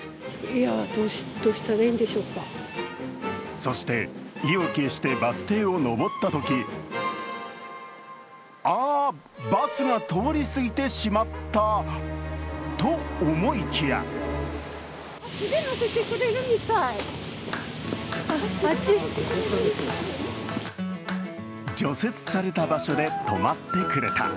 そして意を決してバス停を上ったとき、あー、バスが通りすぎてしまったと思いきや除雪された場所で止まってくれた。